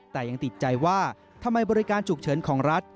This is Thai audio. แต่ยังติดใจว่าทำไมบริการฉุกเฉินของรัฐ